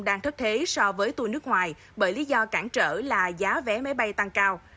đang thấp thế so với tour nước ngoài bởi lý do cản trở là giá vé máy bay tăng cao